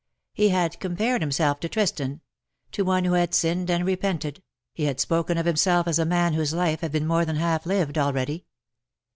He had compared himself to Tristan — to one who had sinned and repented — he had spoken of himself as a man whose life had been more than half lived already.